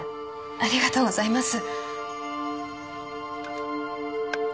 ありがとうございます。